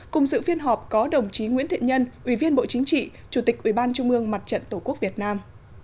cùng dự phiên họp có đồng chí nguyễn thiện nhân ủy viên bộ chính trị chủ tịch ủy ban trung ương mặt trận tổ quốc việt nam